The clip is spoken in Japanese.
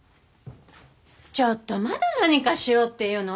ちょっとまだ何かしようっていうの？